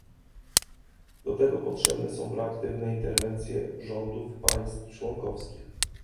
Do tego potrzebne są proaktywne interwencje rządów państw członkowskich